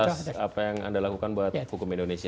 atas apa yang anda lakukan buat hukum indonesia